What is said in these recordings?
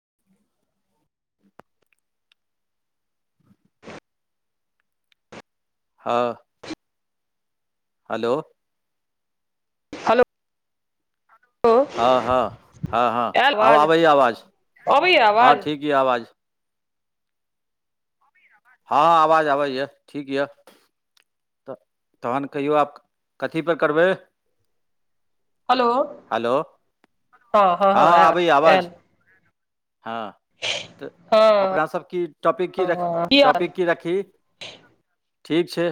[inaudible] हं। Hello. Hello. Hello. ह ह ह ह आयल आब आवाज आबैये आवाज, अबैय हं आवाज ठीक ये आवाज। हं आवाज आबैये ठीक ये। तऽ तखन कहियौ आब, कथी पर करबै। हेलो हेलो, हँ हँ हं हँ आयल आबैये आयल आवाज हं। तऽ हँ अपना सब की टॉपिक की रखि हँ हाल टॉपिक की रखि। ठीक छै।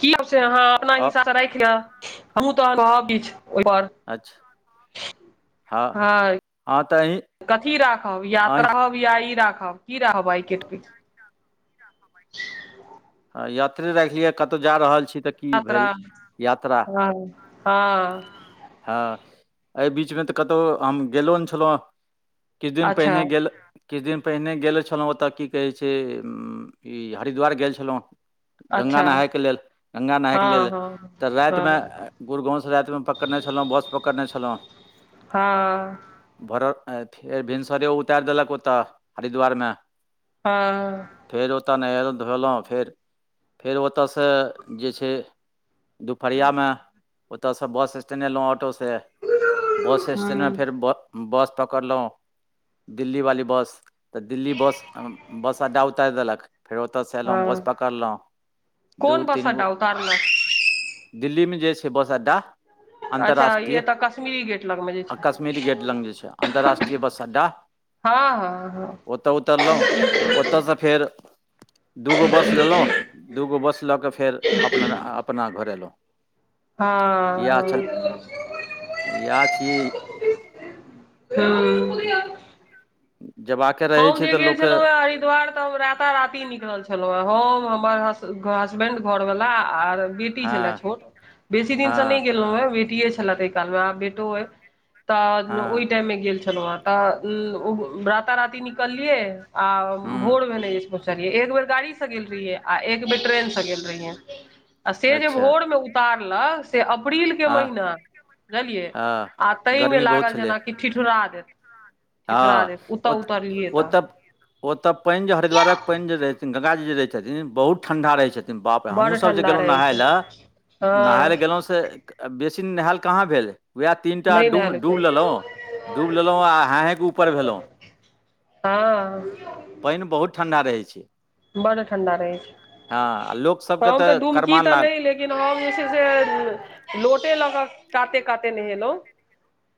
की लेब अपना अ- हिसाब से राखि लिय, हमहु त कहब किछ ओहिपर। अच्छा हँ हं हँ तऽ अहीँ कथी राखब, अहीँ यात्रा कि आइटी राखब, की राखब आइटी हं आइ यात्रे राखि लिऽ कतहु जा रहल छी तऽ। की आत्रा भेल यात्रा हं हां ह एहि बीचमे तऽ कतहु हम गेलो नय छल‌ऊ, किछु दिन अच्छा पहिने गेल किछ दिन पहिने गेल छल‌ऊओतय की कहै छैय, इ हरिद्वार गेल छलहुं गंगा अच्छा नहायके लेल- गंगा नहायके लेल हँ हँ तऽ रातिमे हँ गुड़गाँवस रातिमे पकड़ने छलहुं, बस पकड़ने छल‌ऊ हां भोरर आइ फेर भिनसरे उतारि देलक ओतऽ हरिद्वारमे हं फेर ओतह नहेल‌ऊ-धोएल‌ऊ फेर फेर ओतयसऽ जे छैय दुपहरियामे ओतऽस बस स्टैन्ड एलहु ऑटोसे बस स्टैंडमे हूँ फेर ब बस पकड़ल‌ऊ, दिल्ली वाली बस तऽ दिल्ली बस बस अड्डा उतारि देलक, फेर ओतऽस एयल‌ऊ हँ बस पकड़ल‌ऊ दु कोन बस तीन गो, अड्डा उतारलक दिल्ली मे जे छैय बस अड्डा अच्छा ई अन्तर्राष्ट्रीय एतऽ कश्मीरी गेट लगमे जे आ छै कश्मीरी गेट लग जे छैय अन्तर्राष्ट्रीय बस अड्डा हँ हँ हँ ओतऽ उतरल‌‌ऊ, ओतऽस फेर दुगो बस लेल‌ऊ, दुगो बस लऽ कऽ फेर, अपना-अपना घर एल‌ऊ। हां-हं इएह छियै [unintelligible] हम्म जेबाके रहै हम छै जे तऽ गेल लोकके छलहु है हरिद्वार तऽ हम राता-राति निकलल छलहुं है, हम हमर हसबैंड- घरवला आर बेटी हँ छले छोट बेसी दिन से नहि हँ गेलहु है, बेटीए छले तय कालमे आब बेटो अय तऽ हँ ओहिटाइममे गेल छलहुं है, तऽ राता-राती निकललियै आ ह्म भोर भेलेय [unintelligible] छलिए, एक बेर गाड़ी से गेल रहिये, आ एक बेर ट्रेन से गेल रहियैन, आ से जे अच्छा भोरमे उ उतारलक, से अप्रिलके हँ महिना बुझलियै हँ आ तैयमे गर्मी बहुत लागल जेना कि ठिठुरा देत। ठिठुरा ह देत ओतऽ ओत उतरलियै तऽ -ओतऽ- ओतऽ पानि जे हरिद्वारक पानि जे रहैय थिन गंगा जी जे रहैय छथिन, बहुत ठंडा रहैय छथि न बाप रे हमहुँ बड सब जे ठंडा गेलहु रहै नहाय छै ल, नहाय ल हँ गेलहु स से बेसी नहैल कहा भेल। वैह तीन टा नहि डुम नहायल छै डुब लेलों, डुब लेलों आ हांय-हांय उपर भेलऊ, हँ पानि बहुत ठंडा रहैय छैय। बड ठंडा रहैय आ छैय, लोक सबके हम तऽ डुमकी करमान तऽ लाल नै ले लेकिन हम जे छै से, लोटे ल कऽ काते-काते नहेल‌ऊ।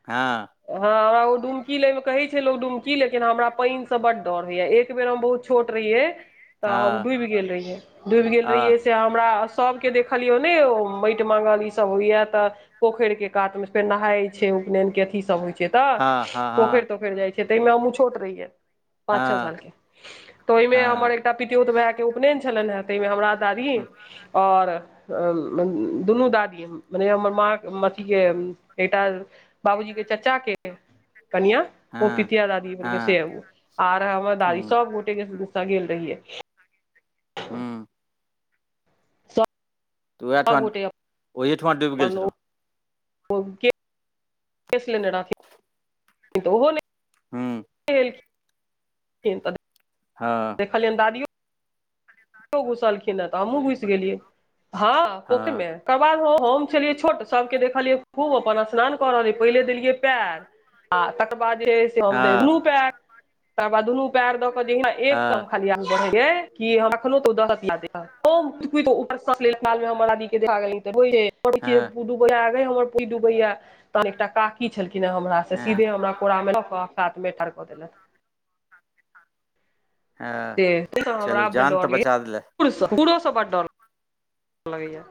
हँ हँ हमरा ओ डुमकी लयमे कहै छै लोक डुमकी, लेकिन हमरा पानिसँ बड्ड डऽर होइए, एक बेर हम बहुत छोट रहियै तऽ हम हँ डूबि गेल रहियै, डूबि गेल हँ रहियै से हमरा अस सभके देखलियौ, नहिओ माटि माँगल ई सब होइए तऽ पोखरि के कात में फेर नहाय छै, उपनयन के अथी सब होइ छियै तऽ, हँ हँ पोखरि-तोखरि जाइ छियै तहिमे हमहूँ छोट रहियै। पाँच छ हँ साल के, तऽ ओहिमे हमर हँ हँ एकटा पितयोत भैंए के उपनयन छलनि हेँ, तहिमे हमरा दादीए आओर दुनू दादीऐ मने हमर माँ अथी के ऐटा बाबूजी के चच्चा के कनियां। ओ हँ हँ पितिया दादी हँ से आर हमर दादी हूँ सब गोटे के गुस्सा गेल रहिये। हँ। तऽ आ ओएहठाम गोटे ओहिठमा डूबि गेल अपन छलहुँ ओ [unintelligible] लेने रहथिन त ओहो नहि हँ। [inaudible] [inaudible] हँ। देखलियनि दादीयो घुसलखिन ह त हमहुँ घुइस गेलियै हा हँ पोखरिमे ओकर बाद हम छलियै छोट सभकेँ देखलियै खूब अपन स्नान क रहल अय पहिले देलियै पएर आ तकर बाद जे हइ से हम दे हँ दुनू पैएर तकर बाद दुनू पैएर द के जे एक कम हँ खदिया कि ह हँ [unintelligible] डूबैया आ गै हमर [unintelligible] डूबैया तहन एकटा काकी छलखिन हे हमरा से हँ सीधे हमरा कोरामे लऽ क कातमे ठार क देलत। हँ से हमरा चलू अपने जान तऽ डर ल बचा देले कुकुरोसँ बड्ड डर ल लगैया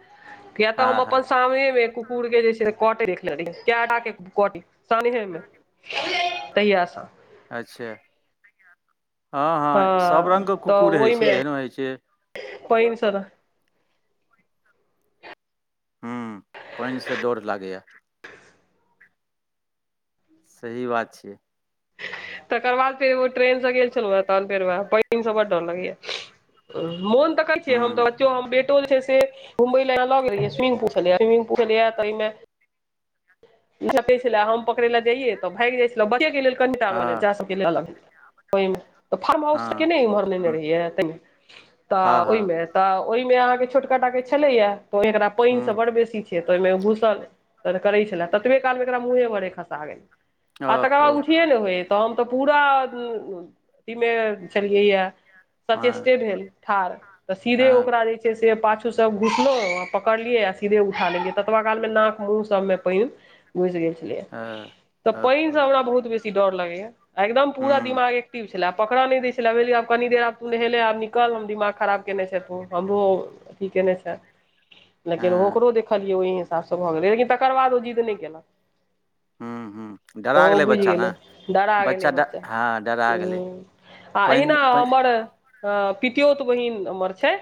किया त हम हँ हँ अपन सामनेमे कुकुर के जे छैय कटैत देखले रहियै कैटा के कटय सामनेहे मे। तकिया स। अच्छा हँ- हँ सब रङ्गके कुकुर होइ छैय एहनो होइ छैय। पइन स डर हूँ पाइनसँ डर लागैए। सही बात छैय। तकर बाद फेर ओ ट्रेन से गेल छलहुँ हे तहन फेर वएह पाइनसँ बड डर लगैया। मोन त कहय छैय हम त हूँ बच्चो हम बे त जे छैय से घुमबई ले ल गेल रहियै स्विमिंग पूल छलैया स्विमिंग पूल छलैया तयमे छले हम पकड़ै ले जाइयए त भागि जाइ छलै बच्चे हँ के लेल [unintelligible] फार्म हाउस के हँ नय इम्हर लेने रहियए त हँ हँ ओयमे। त ओइमे अहाँके छोटकाटा के छलैया त एकरा पाइन से हूँ बड़ बेसी छैय ओयमे घुसल करै छले ततबे कालमे एकरा मुहे भरे खसा गेल आ तकर ओहो बाद नहि होइ त हम त पूरा अथी मे छलियै या हँ सचेष्टे भेल ठार त सीधे हँ ओकरा जे जे से पाछू स घुसलौं आ पकड़लियै आ सीधे उठा लेलियै ततबा काल मे नाक, मुँह सबमे पाइन घुइस गेल छलैया हँ त ओहो पाइनसँ हमरा बहुत बेसी डर लगैया। आ एकदम पूरा हूँ दिमाग एक्टिव छलै आ पकड़ऽ नहि दै छलै भेल जे आब कनी देर आब तु नहेले आब निकल हम दिमाग खराब केने छैं तों हमरो अथी केने छैं लेकिन हँ ओकरो देखलियै ओहि सेहा सब भ गेलैय लेकिन तकर बाद ओ जिद नै केलक। हु- हु डेरा ओहो गेलैय बुझि बच्चा ने। गेलै डरा गेलैय बच्चा हँ डरा गेलै ह आ अहिना पानि पानि हमर अ पितियोत बहिन हमर छैय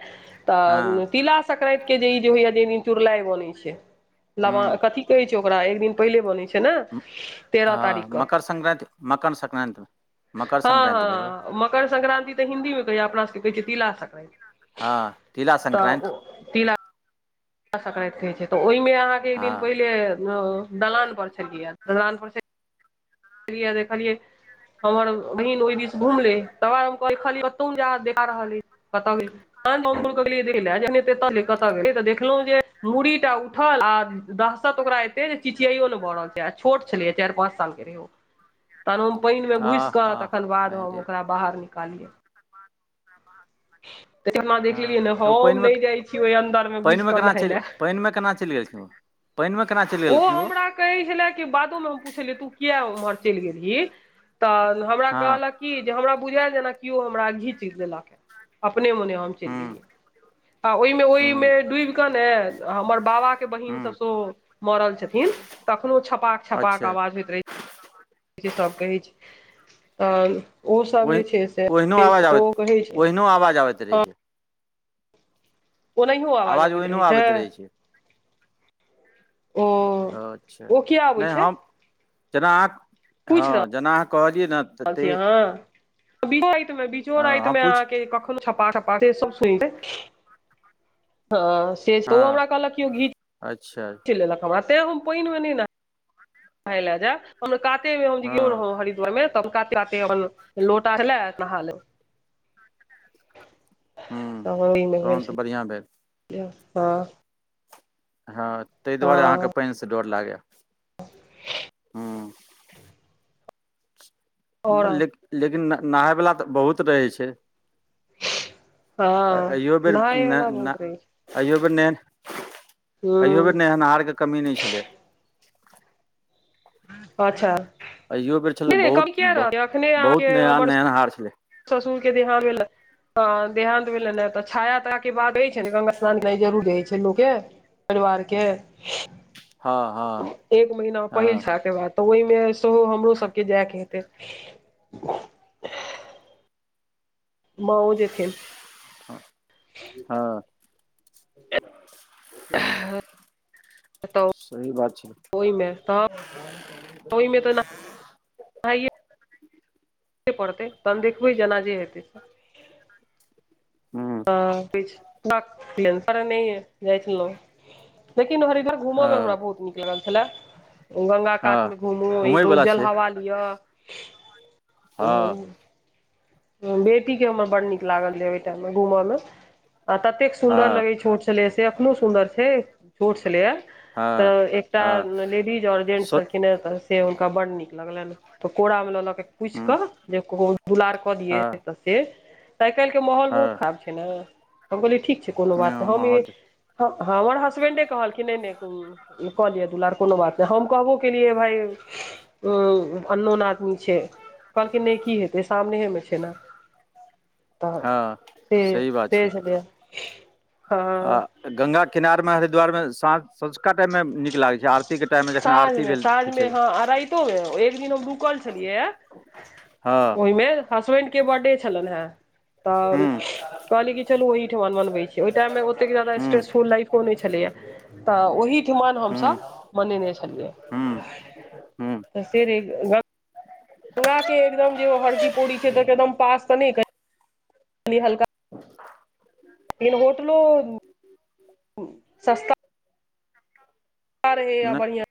हँ त तिला संकरांतिके दिन जे इ जे होइ जे दिन चुरलाई बनय छैय लवा हूँ कथी कहय छैय ओकरा एक दिन पहिले बनैय छैय न तेरह तारीख हँ क मकर संक्रान्ति। मकर सक्रान्ति मे। ह ह मकर संक्रान्ति तऽ हिन्दीमे कहैये, अपना सभके कहै छैै अपना सबके तिला संक्रान्ति। हं तिला तऽ ओ संक्रान्ति। तिला संक्रान्ति कहै छै, तऽ ओहिमे अहांके एक दिन हँ पहिले दलान पर छलियै हे, दलान पर छलिये देखलियै हमर बहिन ओहि बीच घुमलै, तब हम कहल कतहु जा देखा कतौ जा रहल अछि, कतय गेल। ह गोलके कहलिए दयले जखन एतय नै कतह गेलैय देख देखलहु जे मूड़ी टा उठल आ दहशत ओकरा एते जे चिचियायो न भऽ रहल छै। यैह छोट छलैये चारि पाँच साल के रहै ओ। [inaudible] तहन हम पानिमे घुसिकऽ आह आह तखन बाद अरे मे ओकरा बाहर निकालियै। तऽ केना ह देख लेलियै ने तऽ ओ हम पानिमे, नहि जाइ छी ओहि अन्दरमे घुसि पानिमे कऽ केना नहाय चलि लए पानिमे केना चलि गेल छलैये। पानिमे केना चलि गेलखिन ओ। कहैय छलैय कि बादोमे हम पुछलियै तु किया उम्हर चलि गेलही तऽ हमरा हँ कहलक कि जे हमरा बुझायल जेना कोइ हमरा घीचि देलक हे। अपने मोने हम चैलि हूँ गेलियै। आ ओहिमे ओहिमे हूँ डुबि कऽ ने हमर बाबाके बहिन सब हूँ सेहो मरल छथिन त अखनो छपाक छपाक अच्छा आवाज होइत रहैय छै। जे सब कहैय छै, तऽ ओ सब जे ओहि छै से ओ कहै छै। अखनो आवाज आबैत रहै हँ छै। ओनाहियो आवाज अबैत रहै छै। ओ अच्छा, ओ किया अबै नै छै हम जेना अहां, हं जेना अहां कहलियै ने तऽ ते अछि अहां, बिझोह रातिमे, बिझोह हँ हम रातिमे पूछि कखनौ छपा छपाके सब सुनतै, हं से तऽ ओ हँ हमरा कहलक कि ओ गीत अच्छा। चीन लेलक हमरा, तैं हम पानिमे नै नहाय नहाय ले जैब, हम कातेमे हम हँ गेलहुं हरिद्वारमे त काते काते ते अपन लोटा छलैह, नहा लेलहुं। हूँ त हमी नहैल तहन तऽ बढ़िआँ भेल छलहुं, हां। हं, तै दुआरे हँ अहांके पानिसं डर लागैये। [inaudible] आओर लेकिन लेकिन नहायवला तऽ बहुत रहैय छै। हँ अहियो बेर नहाय न वला न बहुत रहै छै अहियो बेर ने अहियो हूँ बेर नहेनहारके कमी नै छलै। अच्छा। अहियो बेर छलै नहि बहुत कम किया रहत बहुत नहेनहार नया नहेनहार छलै। ससुरके देहांत भेल हन। देहांत भेलैन ह तऽ छाया ताया के बात रहै छै न गंगा स्नान जरुर रहै छै लोकके। परिवार के, हँ हँ एक महिना पहिल हँ छाया के बाद। तऽ ओहिमे सेहो हमरो सबके जायके हेतै। माॅओ जेथिन। हां। तऽ सही बात छै। ओहिमे तऽ पाइये पड़तै तहन देखबै जेना जे हेतै से। हूँ हँ पर [unintelligible] जाइ छलौ लेकिन हरिद्वार घुमऽ मे हमरा हँ बहुत नीक लागल छलै, गंगा हँ कातमे घुमु इ कहु घुमयवला छै जल हवा लियअ। हँ। बेटीके हमर बड नीक लागल रहय ओहि टाइममे घूमऽ मे आ ततेक सुन्दर हँ लगै छैय छोट छलै से एखनो सुन्दर छै छोट छलैए त हँ एकटा हँ लेडीज और जेंट्स स छलखिन हें त से हुनका बड़ नीक लगलनि त कोरामे लऽ लऽ पुछि क हँ जे कहु दुलार कऽ लियै। हँ त से आइ काल्हिके माहौल बहुत हँ खराब छैय ने हम कहलियै ठीक छैय। कोनो बात नहि हम इ माहौल हमर हसबेंडे कहलखिन नय- नय जे क लिय दूलार कोनो बात नहि हम कहबो केलियै जे भाय उ अननोन आदमी छैय कहलखिन नहि की हेतै सामनेेमे छैय ने। तऽ हँ से सही बात से छै छलय। आ गंगा किनारमे हरिद्वारमे साँझ सँझुका टाइममे नीक लागैय छैय आर साँझमे-साँझमे हँ राइत मे एक दिन हम रुकल छलियै हँ ओयमे हसबैंड के बर्थडे छलनि हेँ। त हुँ कहलियै कि चलू ओहिठमन मनबे छियै ओय टाइम मे ओतेक जादा हुँ स्ट्रेसफुल लाइफ फो नहि छलैया त ओहिठिमन हम सब हुँ मनेने छलियै हुँ हुँ त से नहि ग गंगा के एकदम जे ओ हरकी पोड़ी ज छैय त एकदम पास त नहि कहि कनि हलका [inaudible] बिन होटलो सस्ता रहै आ नहि बढ़िआँ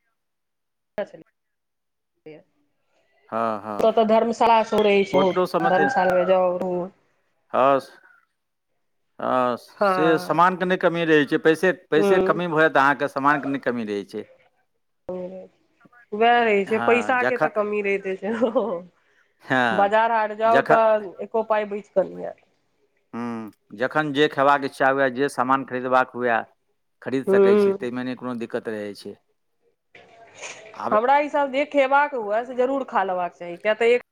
हँ हँ ओत धर्मशाला सब रहै सेहो होटलो सबमे छै ने। धर्मशाला मे जाउ घुमु। हँ -हँ से हँ समानके नहि कमी रहै छैय पैसे पैसेके हूँ कमी भ जैत अहाँके सामानके नहि कमी रहै छैय। वएह रहै छैय हँ पैसाके तऽ जखन कमी रहिते छैय। हँ बजार हाट जाउ जखन त एको पाइ बइच कऽ नहि ऐत। हुं जखन जे खयबाक इच्छा हुए जे सामान खरीदबाक हुए खरीद सकै छी हूँ तयमे नय कोनो दिक्कत रहै छैय। हमरा हिसाब जे खेबाक हुए से जरूर खा लेबाक चाही किय त एक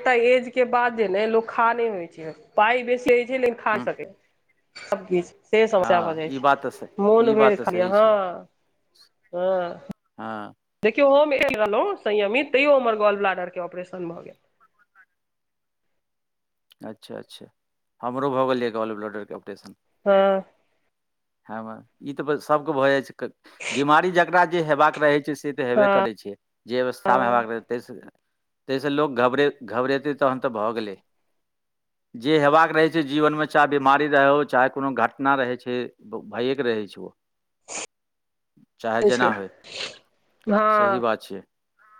एक एज के बाद जे ने लोक खा नहि होइ छैय पाइ बेसी होइ छैय लेकिन खा हुँ सकै छैय। सभकिछु से समस्या भ हँ जाय ई बात तऽ स छैय मोन ई बात भइर तऽ खा लिय सही छै हँ। हँ। हँ। देखियौ हम रहय छलहुँ संयमित तैयो हमर गाॅल ब्लाडरके ऑपरेशन भ गेल। अच्छा -अच्छा हमरो भ गेल यऽ गॉल ब्लडरके ऑपरेशन। हँ। हँ- हँ इ त सबके भ जाइ छैय बिमारी ज जेकरा जे हेबाक रहय छैय से त हेबे हँ करय छैय। जे अवस्थामे हँ हेबाक रहतै तयसँ- तयसँ लोक घबरे घबरेतै तहन त भ गेलै। जे हेबाक रहै छै जीवन मे चाहे बीमारी रहे ओ चाहे कोनो घटना रहै छैय ओ भइएके रहै छै ओ। चाहे जेना होय सही बात छै हँ।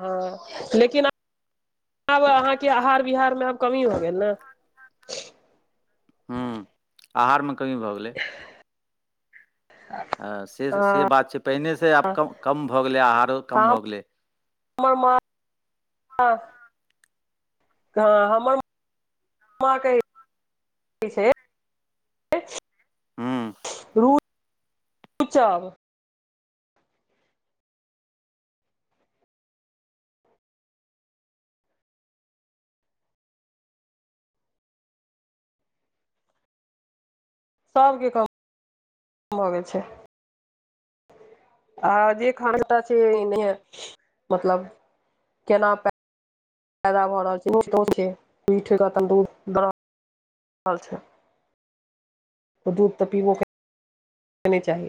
हँअ लेकिन आब अहाँके आहार बिहारमे आब कमी भऽ गेल ने। हूँ आहार मे कमी भऽ गेलै। हँ से- हँ से बात छै पहिने से आब कम -कम भऽ गेलै आहारो कम भऽ गेलै।। हमर मां हँ हँ हमरो मां कहै छै हूॅं। [inaudible] सबके कम भऽ गेल छै। आ जे खान त छै नहिये मतलब केना प पैदा भऽ रहल छै पीठ [unintelligible] दूध त पीबो के नै चाही।